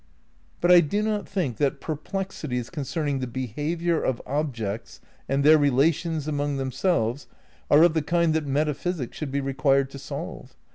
But I do not think that perplexities concerning the behav iour of objects and their relations among themselves are of the kind that metaphysics should be required to solve.